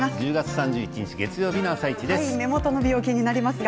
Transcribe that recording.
１０月３１日のあさイチです。